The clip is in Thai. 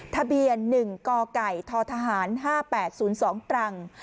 ทะเบียน๑กไก่ททหาร๕๘๐๒ตรัง